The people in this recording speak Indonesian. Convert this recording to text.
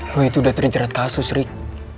lo itu udah terjerat kasus rick